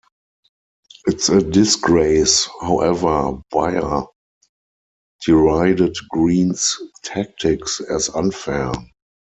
It's a disgrace", however Beyer "derided Green's tactics as unfair".